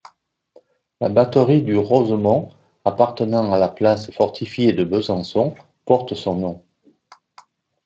La batterie du Rosemont appartenant à la place fortifiée de Besançon, porte son nom.